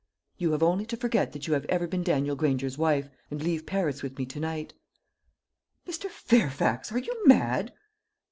You have only to forget that you have ever been Daniel Granger's wife, and leave Paris with me to night." "Mr. Fairfax! are you mad?"